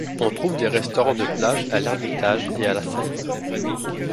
On trouve des restaurants de plage à L’Hermitage et à La Saline.